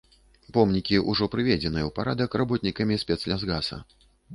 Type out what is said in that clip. Помнікі ўжо прыведзеныя ў парадак работнікамі спецлясгаса.